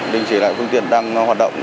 đình chỉ lại phương tiện đang hoạt động